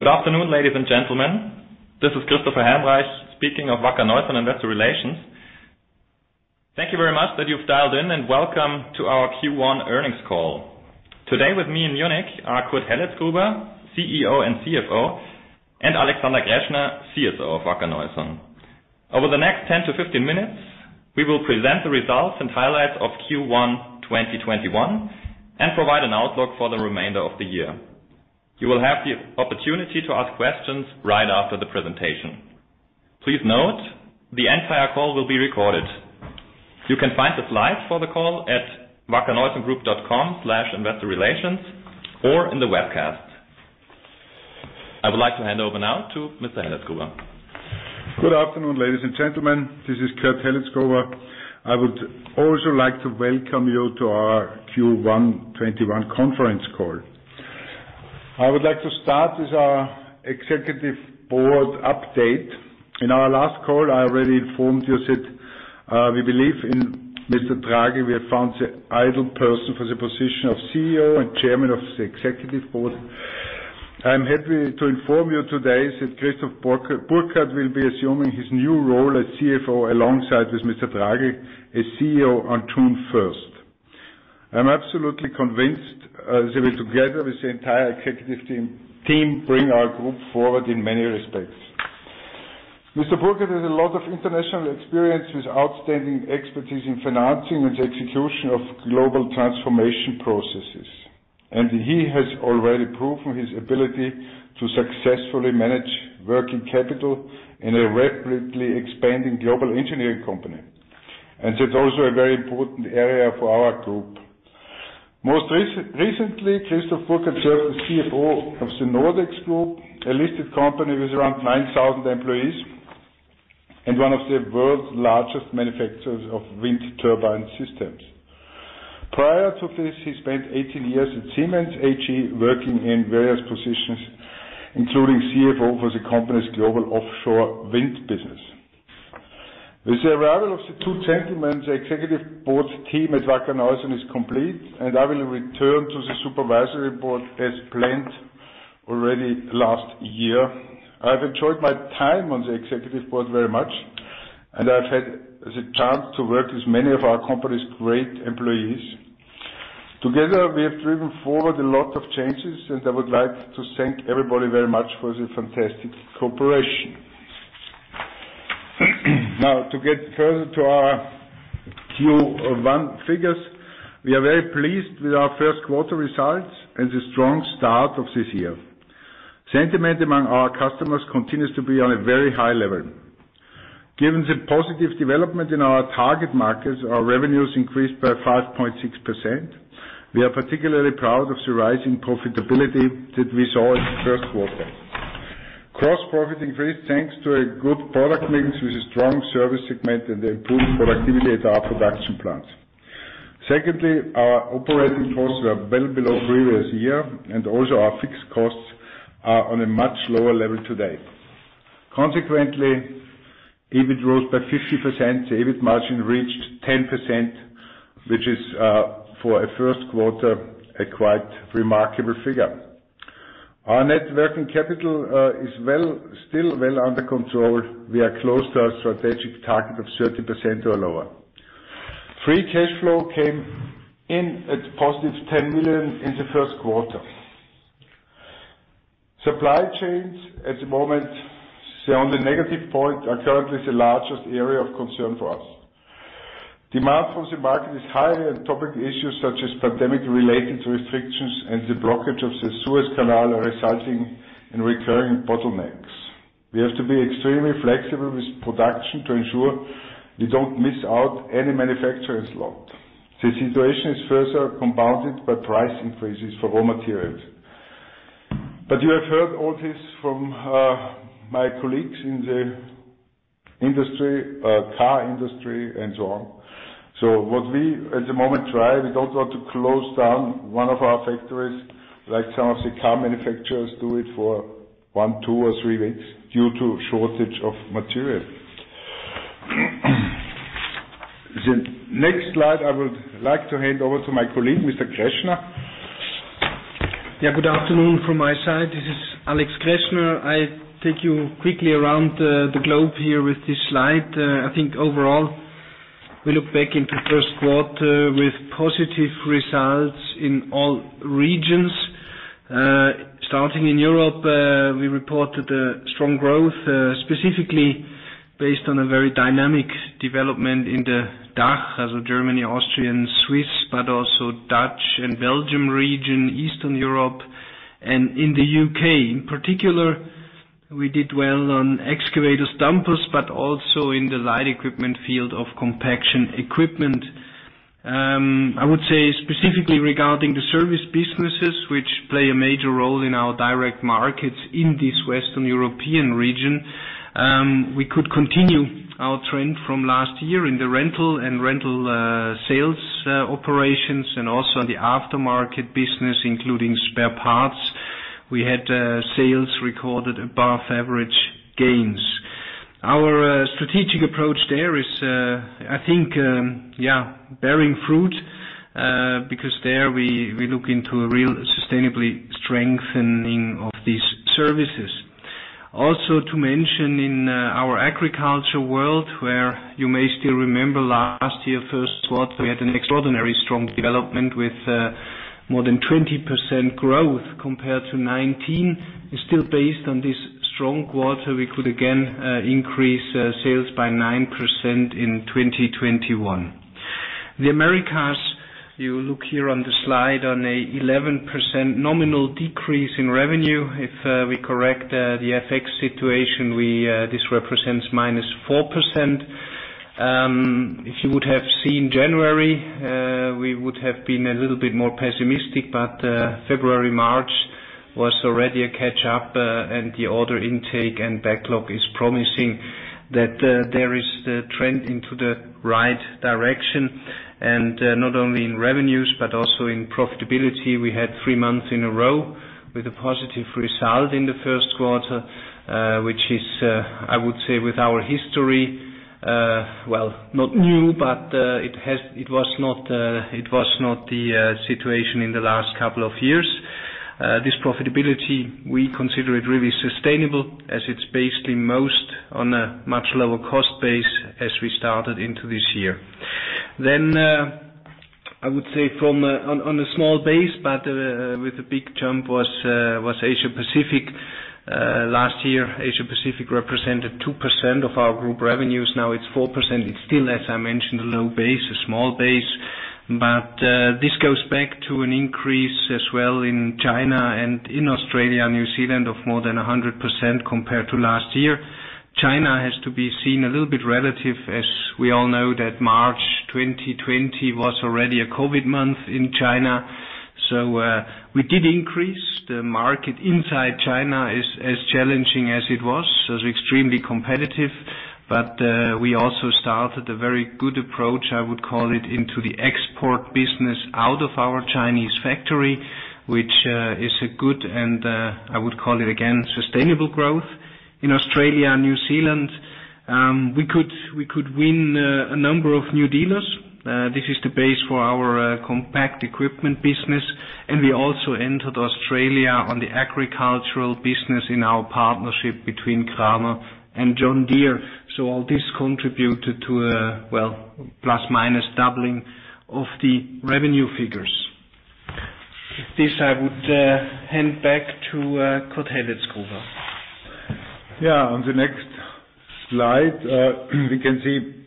Good afternoon, ladies and gentlemen. This is Christopher Helmreich, speaking of Wacker Neuson Investor Relations. Thank you very much that you've dialed in, and welcome to our Q1 earnings call. Today with me in Munich are Kurt Helletzgruber, CEO and CFO, and Alexander Greschner, CSO of Wacker Neuson. Over the next 10 to 15 minutes, we will present the results and highlights of Q1 2021 and provide an outlook for the remainder of the year. You will have the opportunity to ask questions right after the presentation. Please note, the entire call will be recorded. You can find the slides for the call at wackerneusongroup.com/investorrelations or in the webcast. I would like to hand over now to Mr. Helletzgruber. Good afternoon, ladies and gentlemen. This is Kurt Helletzgruber. I would also like to welcome you to our Q1 '21 conference call. I would like to start with our Executive Board update. In our last call, I already informed you that we believe in Mr. Tragl, we have found the ideal person for the position of CEO and Chairman of the Executive Board. I'm happy to inform you today that Christoph Burkhard will be assuming his new role as CFO alongside with Mr. Tragl as CEO on June 1st. I'm absolutely convinced that they will, together with the entire executive team, bring our group forward in many respects. Mr. Burkhard has a lot of international experience with outstanding expertise in financing and execution of global transformation processes, and he has already proven his ability to successfully manage working capital in a rapidly expanding global engineering company. It's also a very important area for our group. Most recently, Christoph Burkhard served as CFO of the Nordex Group, a listed company with around 9,000 employees and one of the world's largest manufacturers of wind turbine systems. Prior to this, he spent 18 years at Siemens AG working in various positions, including CFO for the company's global offshore wind business. With the arrival of the two gentlemen, the Executive Board team at Wacker Neuson is complete, and I will return to the supervisory board as planned already last year. I've enjoyed my time on the Executive Board very much, and I've had the chance to work with many of our company's great employees. Together, we have driven forward a lot of changes, and I would like to thank everybody very much for the fantastic cooperation. To get further to our Q1 figures. We are very pleased with our first quarter results and the strong start of this year. Sentiment among our customers continues to be on a very high level. Given the positive development in our target markets, our revenues increased by 5.6%. We are particularly proud of the rise in profitability that we saw in the first quarter. Gross profit increased, thanks to a good product mix with a strong service segment and improved productivity at our production plants. Secondly, our operating costs were well below the previous year, and also our fixed costs are on a much lower level today. Consequently, EBIT rose by 50%, the EBIT margin reached 10%, which is, for a first quarter, a quite remarkable figure. Our net working capital is still well under control. We are close to our strategic target of 30% or lower. Free cash flow came in at positive 10 million in the first quarter. Supply chains at the moment, the only negative point, are currently the largest area of concern for us. Demand from the market is high, and topic issues such as pandemic-related restrictions and the blockage of the Suez Canal are resulting in recurring bottlenecks. We have to be extremely flexible with production to ensure we don't miss out any manufacturing slot. The situation is further compounded by price increases for raw materials. You have heard all this from my colleagues in the car industry and so on. What we at the moment try, we don't want to close down one of our factories like some of the car manufacturers do it for one, two, or three weeks due to shortage of material. The next slide, I would like to hand over to my colleague, Mr. Greschner. Good afternoon from my side. This is Alex Greschner. I take you quickly around the globe here with this slide. Overall, we look back into first quarter with positive results in all regions. Starting in Europe, we reported a strong growth, specifically based on a very dynamic development in the DACH, as in Germany, Austria, and Switzerland, but also Netherlands and Belgium region, Eastern Europe, and in the U.K. In particular, we did well on excavators, dumpers, but also in the light equipment field of compaction equipment. I would say specifically regarding the service businesses, which play a major role in our direct markets in this Western European region, we could continue our trend from last year in the rental and rental sales operations and also the aftermarket business, including spare parts. We had sales recorded above average gains. Our strategic approach there is, I think, bearing fruit, because there we look into a real sustainably strengthening of these services. Also to mention in our agriculture world, where you may still remember last year, first quarter, we had an extraordinary strong development with more than 20% growth compared to 2019. Still based on this strong quarter, we could again increase sales by 9% in 2021. The Americas, you look here on the slide on an 11% nominal decrease in revenue. If we correct the FX situation, this represents minus 4%. If you would have seen January, we would have been a little bit more pessimistic, but February, March was already a catch up and the order intake and backlog is promising that there is the trend into the right direction, and not only in revenues, but also in profitability. We had three months in a row with a positive result in the first quarter, which is, I would say, with our history, well, not new, but it was not the situation in the last couple of years. This profitability, we consider it really sustainable as it's basically most on a much lower cost base as we started into this year. I would say on a small base, but with a big jump, was Asia-Pacific. Last year, Asia-Pacific represented 2% of our group revenues. Now it's 4%. It's still, as I mentioned, a low base, a small base, but this goes back to an increase as well in China and in Australia, New Zealand of more than 100% compared to last year. China has to be seen a little bit relative, as we all know that March 2020 was already a COVID month in China. We did increase. The market inside China is as challenging as it was. It's extremely competitive, but we also started a very good approach, I would call it, into the export business out of our Chinese factory, which is a good, and I would call it, again, sustainable growth. In Australia and New Zealand, we could win a number of new dealers. This is the base for our compact equipment business, and we also entered Australia on the agricultural business in our partnership between Kramer and John Deere. All this contributed to a, well, plus/minus doubling of the revenue figures. This I would hand back to Kurt Helletzgruber. On the next slide, we can see,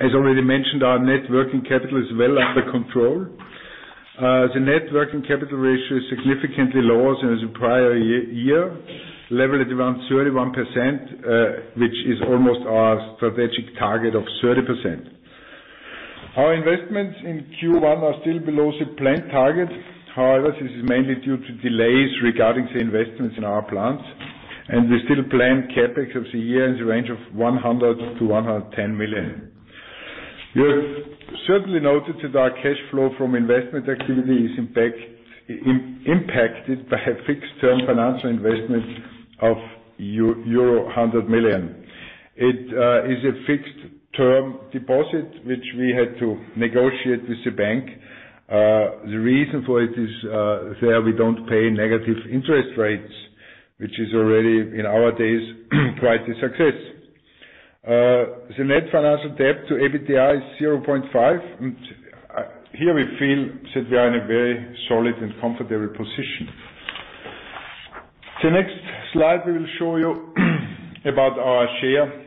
as already mentioned, our net working capital is well under control. The net working capital ratio is significantly lower than the prior year, level at around 31%, which is almost our strategic target of 30%. Our investments in Q1 are still below the planned target. However, this is mainly due to delays regarding the investments in our plants, and we still plan CapEx of the year in the range of 100 million-110 million. You have certainly noted that our cash flow from investment activity is impacted by a fixed-term financial investment of euro 100 million. It is a fixed-term deposit which we had to negotiate with the bank. The reason for it is there we don't pay negative interest rates, which is already, in our days, quite a success. The net financial debt to EBITDA is 0.5. Here we feel that we are in a very solid and comfortable position. The next slide we will show you about our share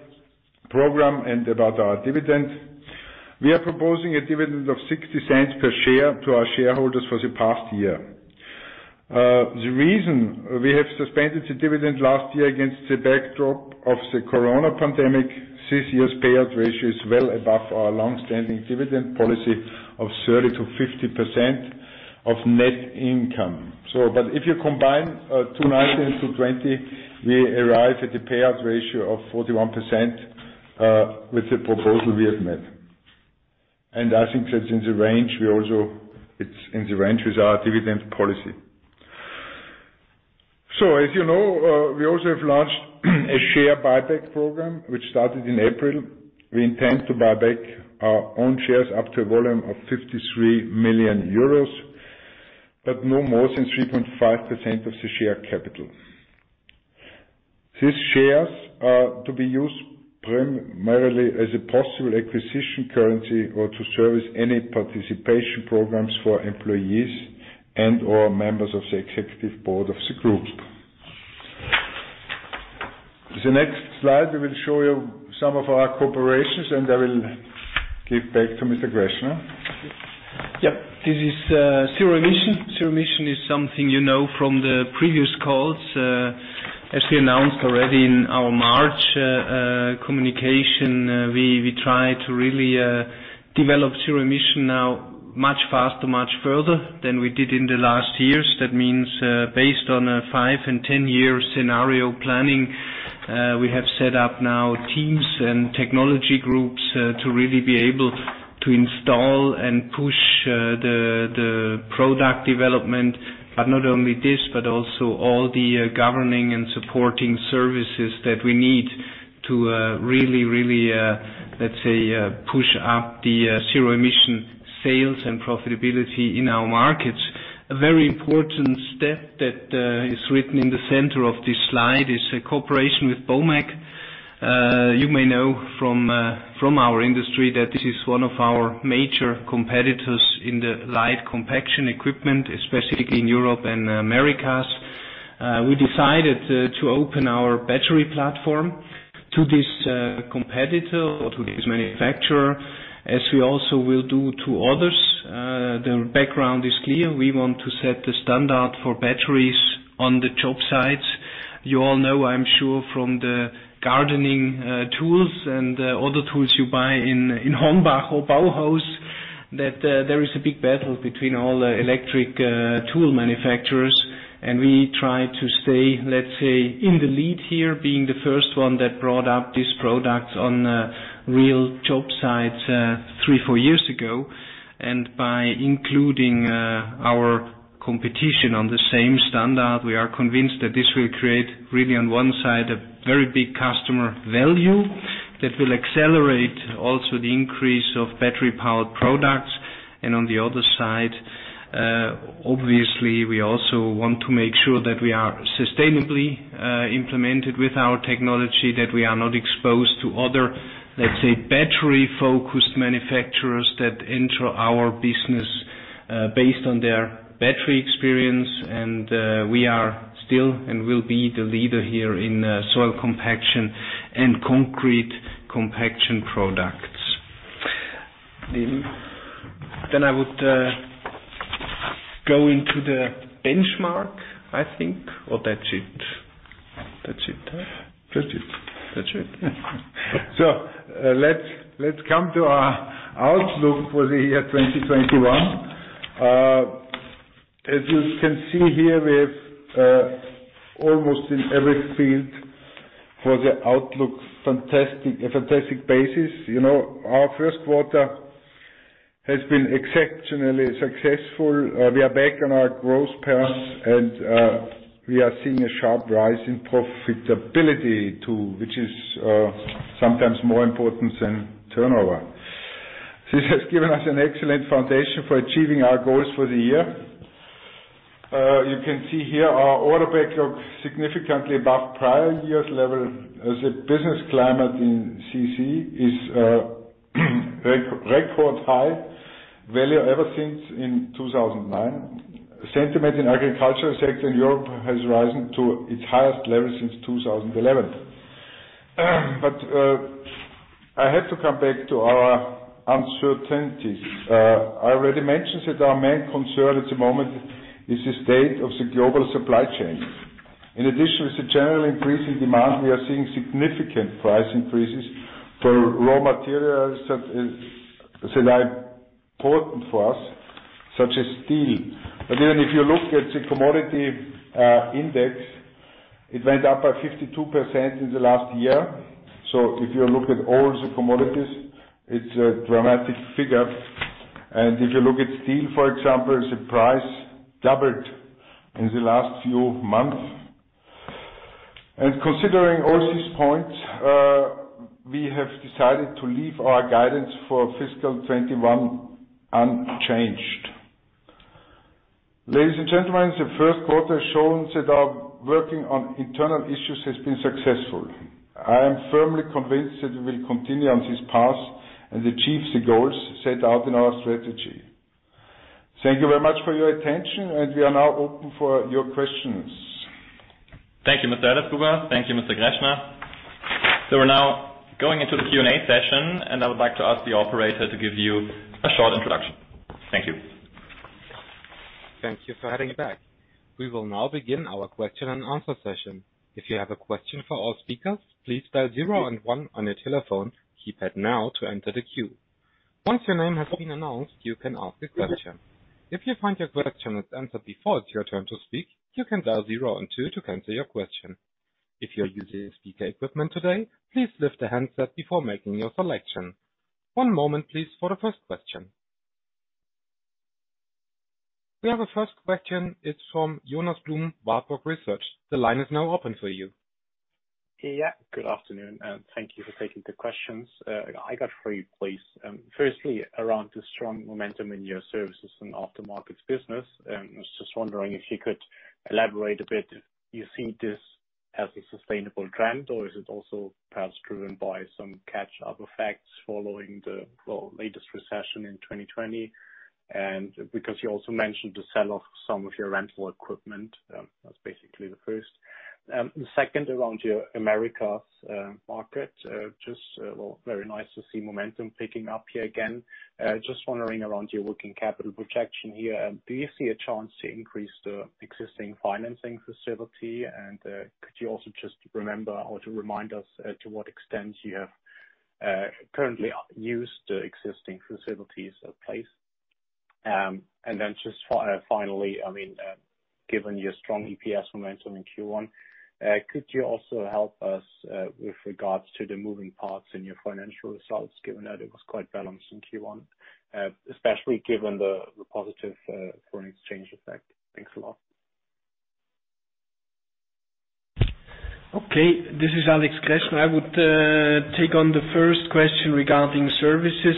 program and about our dividend. We are proposing a dividend of 0.60 per share to our shareholders for the past year. The reason we have suspended the dividend last year against the backdrop of the coronavirus pandemic, this year's payout ratio is well above our longstanding dividend policy of 30%-50% of net income. If you combine 2019 to 2020, we arrive at a payout ratio of 41% with the proposal we have made. I think that in the range with our dividends policy. As you know, we also have launched a share buyback program, which started in April. We intend to buy back our own shares up to a volume of 53 million euros. No more than 3.5% of the share capital. These shares are to be used primarily as a possible acquisition currency or to service any participation programs for employees and/or members of the executive board of the group. The next slide, we will show you some of our corporations, and I will give back to Mr. Greschner. Yep. This is zero emission. Zero emission is something you know from the previous calls. As we announced already in our March communication, we try to really develop zero emission now much faster, much further than we did in the last years. That means, based on a five- and 10-year scenario planning, we have set up now teams and technology groups to really be able to install and push the product development. But not only this, but also all the governing and supporting services that we need to really, let's say, push up the zero-emission sales and profitability in our markets. A very important step that is written in the center of this slide is a cooperation with Bomag. You may know from our industry that this is one of our major competitors in the light compaction equipment, specifically in Europe and Americas. We decided to open our battery platform to this competitor or to this manufacturer, as we also will do to others. The background is clear. You all know, I'm sure, from the gardening tools and other tools you buy in Hornbach or Bauhaus, that there is a big battle between all electric tool manufacturers, and we try to stay, let's say, in the lead here, being the first one that brought up this product on real job sites three, four years ago. By including our competition on the same standard, we are convinced that this will create really, on one side, a very big customer value that will accelerate also the increase of battery-powered products. On the other side, obviously, we also want to make sure that we are sustainably implemented with our technology, that we are not exposed to other, let's say, battery-focused manufacturers that enter our business based on their battery experience. We are still and will be the leader here in soil compaction and concrete compaction products. I would go into the benchmark, I think. That's it? That's it. That's it. That's it. Let's come to our outlook for the year 2021. As you can see here, we have almost in every field for the outlook, a fantastic basis. Our first quarter has been exceptionally successful. We are back on our growth path, and we are seeing a sharp rise in profitability, too, which is sometimes more important than turnover. This has given us an excellent foundation for achieving our goals for the year. You can see here our order backlog significantly above prior year's level as the business climate in construction is a record high value ever since in 2009. Sentiment in agriculture sector in Europe has risen to its highest level since 2011. I have to come back to our uncertainties. I already mentioned that our main concern at the moment is the state of the global supply chain. In addition to the general increase in demand, we are seeing significant price increases for raw materials that are important for us, such as steel. If you look at the commodity index, it went up by 52% in the last year. If you look at all the commodities, it's a dramatic figure. If you look at steel, for example, the price doubled in the last few months. Considering all these points, we have decided to leave our guidance for fiscal 2021 unchanged. Ladies and gentlemen, the first quarter has shown that our working on internal issues has been successful. I am firmly convinced that we will continue on this path and achieve the goals set out in our strategy. Thank you very much for your attention. We are now open for your questions. Thank you, Mr. Helletzgruber. Thank you, Mr. Greschner. We're now going into the Q&A session. I would like to ask the operator to give you a short introduction. Thank you. Thank you for heading back. We will now begin our question and answer session. If you have a question for our speakers, please dial zero and one on your telephone keypad now to enter the queue. Once your name has been announced, you can ask a question. If you find your question is answered before it's your turn to speak, you can dial zero and two to cancel your question. If you're using speaker equipment today, please lift the handset before making your selection. One moment, please, for the first question. We have a first question. It's from Jonas Blum, Warburg Research. The line is now open for you. Good afternoon, and thank you for taking the questions. I got three, please. Firstly, around the strong momentum in your services and aftermarket business. I was just wondering if you could elaborate a bit. Do you see this as a sustainable trend, or is it also perhaps driven by some catch-up effects following the latest recession in 2020? Because you also mentioned the sell-off some of your rental equipment. That's basically the first. The second, around your Americas market. Just very nice to see momentum picking up here again. Just wondering around your working capital protection here. Do you see a chance to increase the existing financing facility? Could you also just remember or to remind us to what extent you have currently used the existing facilities in place? Just finally, given your strong EPS momentum in Q1, could you also help us with regards to the moving parts in your financial results, given that it was quite balanced in Q1, especially given the positive foreign exchange effect? Thanks a lot. Okay. This is Alex Greschner. I would take on the first question regarding services.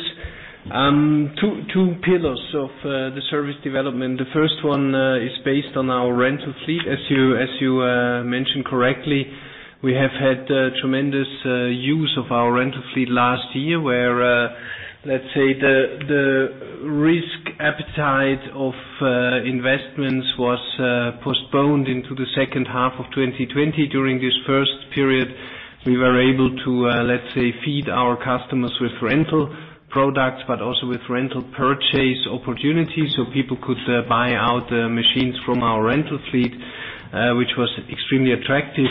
Two pillars of the service development. The first one is based on our rental fleet. As you mentioned correctly, we have had tremendous use of our rental fleet last year where, let's say the risk appetite of investments was postponed into the second half of 2020. During this first period, we were able to, let's say, feed our customers with rental products, but also with rental purchase opportunities, so people could buy out machines from our rental fleet, which was extremely attractive.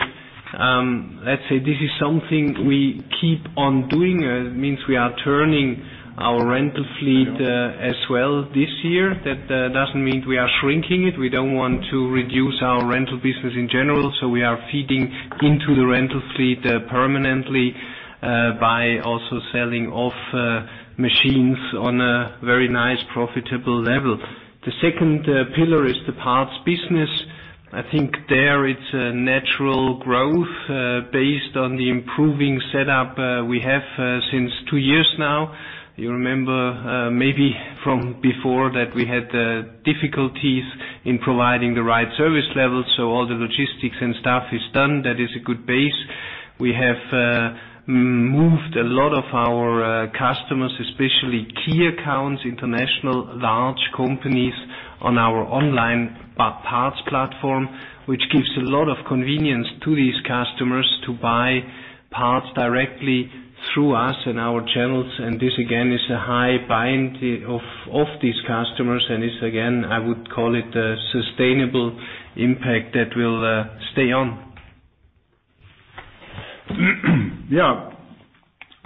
Let's say this is something we keep on doing. It means we are turning our rental fleet as well this year. That doesn't mean we are shrinking it. We do not want to reduce our rental business in general, so we are feeding into the rental fleet permanently, by also selling off machines on a very nice, profitable level. The second pillar is the parts business. I think there it is a natural growth, based on the improving setup we have since two years now. You remember, maybe from before, that we had difficulties in providing the right service level. All the logistics and stuff is done. That is a good base. We have moved a lot of our customers, especially key accounts, international large companies, on our online parts platform. Which gives a lot of convenience to these customers to buy parts directly through us and our channels, and this again, is a high bond of these customers and is, again, I would call it a sustainable impact that will stay on. Yeah.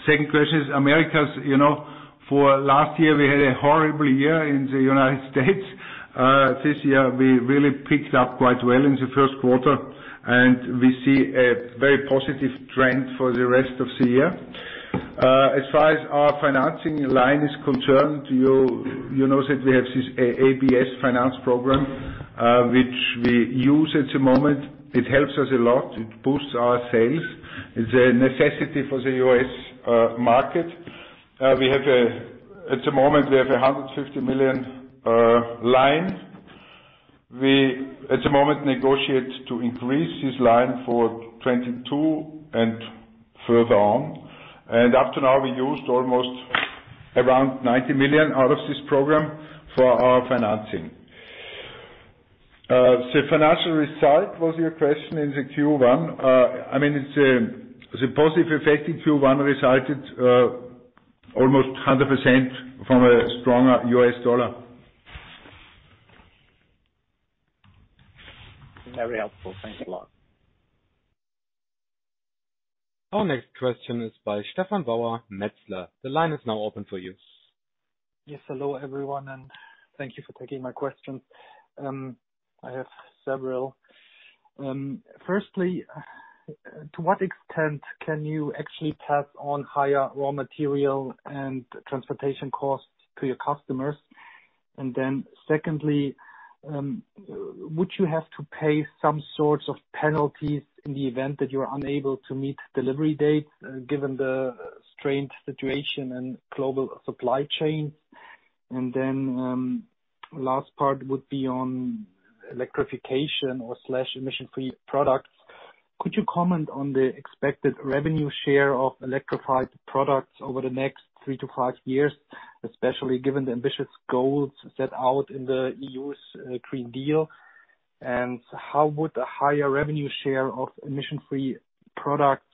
Second question is Americas. For last year, we had a horrible year in the U.S. This year, we really picked up quite well in the first quarter, and we see a very positive trend for the rest of the year. As far as our financing line is concerned, you notice that we have this ABS finance program, which we use at the moment. It helps us a lot. It boosts our sales. It is a necessity for the U.S. market. At the moment, we have 150 million line. We, at the moment, negotiate to increase this line for 2022 and further on. Up to now, we used almost around 90 million out of this program for our financing. The financial result was your question in the Q1. I mean, the positive effect in Q1 resulted almost 100% from a stronger U.S. dollar. Very helpful. Thanks a lot. Our next question is by Stephan Bauer, Metzler. The line is now open for you. Hello, everyone, and thank you for taking my questions. I have several. Firstly, to what extent can you actually pass on higher raw material and transportation costs to your customers? Secondly, would you have to pay some sorts of penalties in the event that you're unable to meet delivery dates, given the strained situation and global supply chains? Last part would be on electrification/emission free products. Could you comment on the expected revenue share of electrified products over the next three to five years, especially given the ambitious goals set out in the EU's Green Deal? How would a higher revenue share of emission free products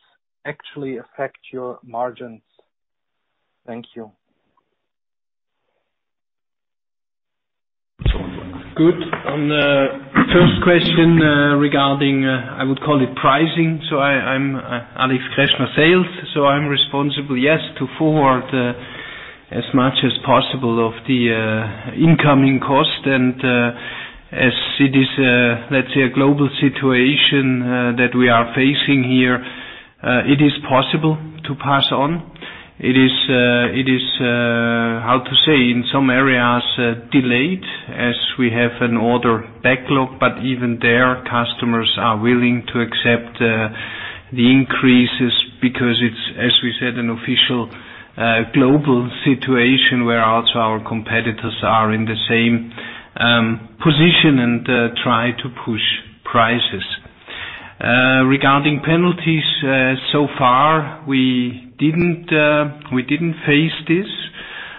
actually affect your margins? Thank you. On the first question regarding, I would call it pricing. I'm Alex Greschner, sales. I'm responsible, yes, to forward as much as possible of the incoming cost and, as it is, let's say, a global situation that we are facing here, it is possible to pass on. It is, how to say, in some areas, delayed as we have an order backlog, but even there, customers are willing to accept the increases because it's, as we said, an official global situation where also our competitors are in the same position and try to push prices. Regarding penalties, so far we didn't face this.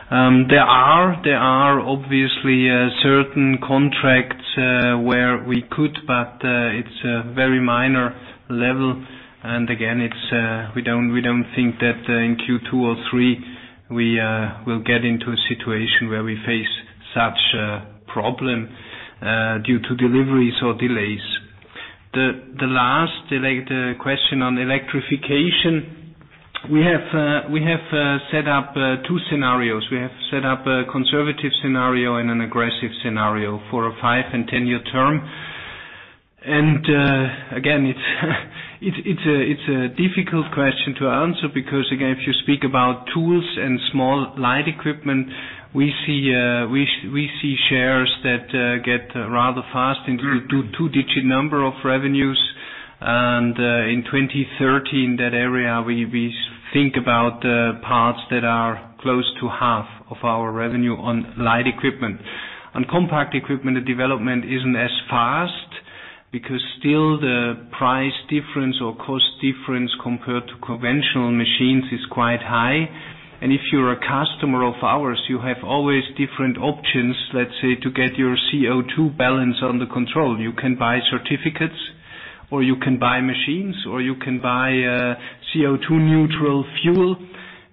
There are obviously certain contracts where we could, but it's a very minor level. Again, we don't think that in Q2 or 3 we will get into a situation where we face such a problem, due to deliveries or delays. The last question on electrification. We have set up two scenarios. We have set up a conservative scenario and an aggressive scenario for a five- and 10-year term. Again, it's a difficult question to answer because, again, if you speak about tools and small light equipment, we see shares that get rather fast into two-digit number of revenues. In 2030, that area, we think about parts that are close to half of our revenue on light equipment. On compact equipment, the development isn't as fast because still the price difference or cost difference compared to conventional machines is quite high. If you're a customer of ours, you have always different options, let's say, to get your CO2 balance under control. You can buy certificates, or you can buy machines, or you can buy CO2 neutral fuel.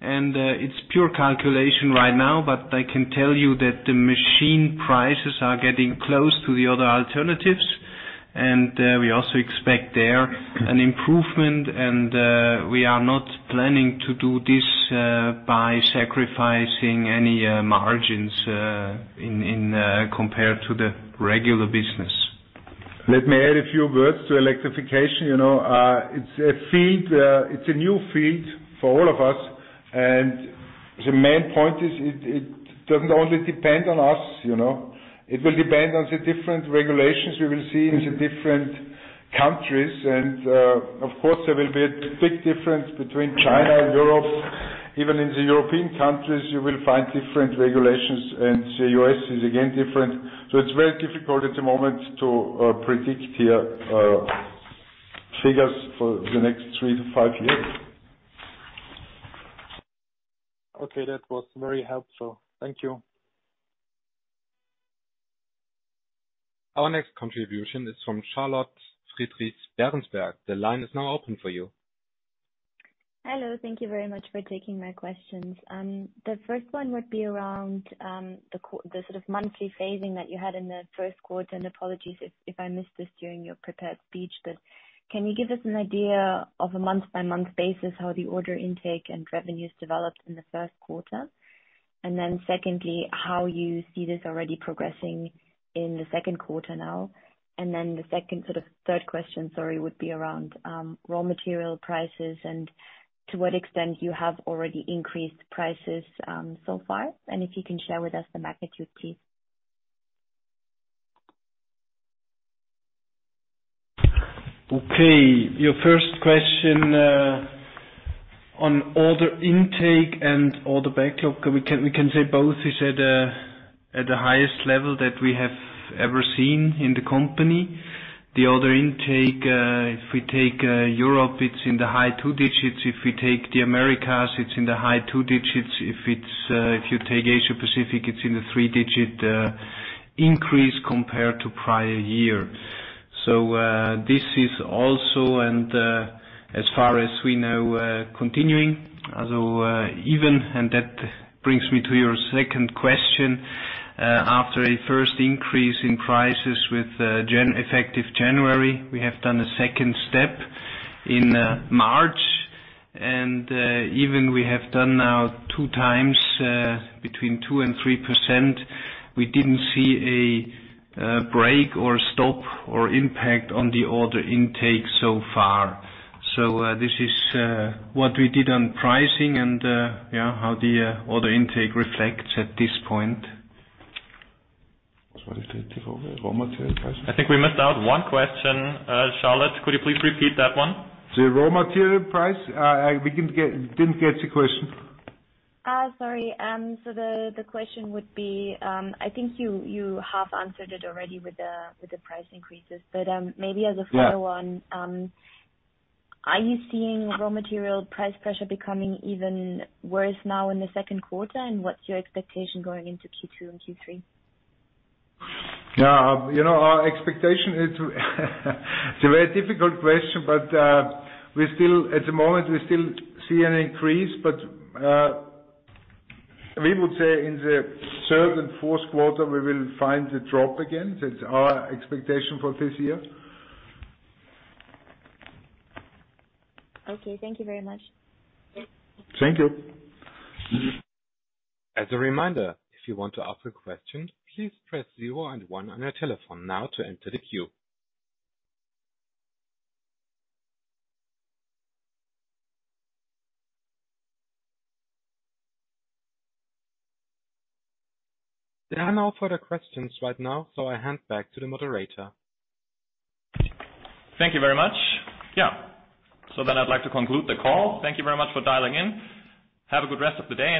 It's pure calculation right now, but I can tell you that the machine prices are getting close to the other alternatives. We also expect there an improvement. We are not planning to do this by sacrificing any margins compared to the regular business. Let me add a few words to electrification. It's a new field for all of us, and the main point is it doesn't only depend on us. It will depend on the different regulations we will see in the different countries. Of course, there will be a big difference between China and Europe. Even in the European countries, you will find different regulations, and the U.S. is again different. It's very difficult at the moment to predict the figures for the next three to five years. Okay. That was very helpful. Thank you. Our next contribution is from Charlotte Friedrichs Berenberg. The line is now open for you. Hello. Thank you very much for taking my questions. The first one would be around the sort of monthly phasing that you had in the first quarter, and apologies if I missed this during your prepared speech, but can you give us an idea of a month-by-month basis how the order intake and revenues developed in the first quarter? Secondly, how you see this already progressing in the second quarter now. The second, sort of, third question, sorry, would be around raw material prices and to what extent you have already increased prices so far. If you can share with us the magnitude, please. Okay. Your first question on order intake and order backlog. We can say both is at the highest level that we have ever seen in the company. The order intake, if we take Europe, it's in the high 2 digits. If we take the Americas, it's in the high 2 digits. If you take Asia Pacific, it's in the 3 digit increase compared to prior year. This is also, and as far as we know, continuing. That brings me to your second question. After a first increase in prices with effective January, we have done a second step in March. Even we have done now two times, between 2% and 3%, we didn't see a break or stop or impact on the order intake so far. This is what we did on pricing and how the order intake reflects at this point. I think we missed out one question. Charlotte, could you please repeat that one? The raw material price? We didn't get the question. Sorry. The question would be, I think you half answered it already with the price increases, maybe as a follow-on. Yeah. Are you seeing raw material price pressure becoming even worse now in the second quarter? What's your expectation going into Q2 and Q3? Our expectation is it's a very difficult question, but at the moment, we still see an increase. We would say in the third and fourth quarter, we will find the drop again. That's our expectation for this year. Okay. Thank you very much. Thank you. As a reminder, if you want to ask a question, please press zero and one on your telephone now to enter the queue. There are no further questions right now, so I hand back to the moderator. Thank you very much. Yeah. I'd like to conclude the call. Thank you very much for dialing in. Have a good rest of the day.